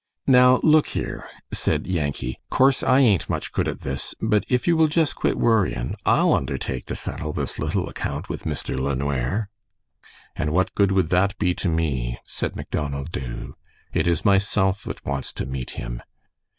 "Now look here," said Yankee, "course I ain't much good at this, but if you will just quit worryin', I'll undertake to settle this little account with Mr. LeNware." "And what good would that be to me?" said Macdonald Dubh. "It is myself that wants to meet him."